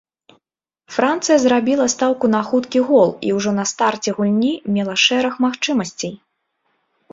Францыя зрабіла стаўку на хуткі гол і ўжо на старце гульні мела шэраг магчымасцей.